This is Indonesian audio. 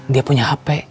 dia punya hp